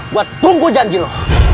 buat tunggu janji lo